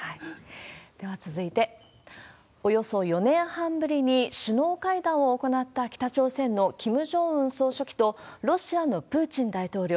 では続いて、およそ４年半ぶりに首脳会談を行った北朝鮮のキム・ジョンウン総書記と、ロシアのプーチン大統領。